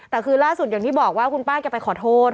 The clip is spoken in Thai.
แต่คือล่าสุดอย่างที่บอกว่าคุณป้าแกไปขอโทษ